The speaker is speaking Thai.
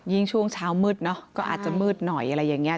ช่วงเช้ามืดเนอะก็อาจจะมืดหน่อยอะไรอย่างนี้